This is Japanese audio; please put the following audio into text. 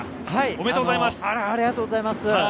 おめでとうございます。